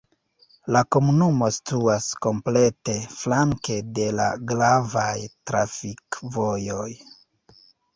La komunumo situas komplete flanke de la gravaj trafikvojoj.